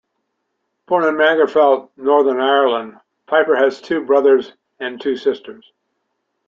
Born in Magherafelt, Northern Ireland, Pyper has two brothers and two sisters.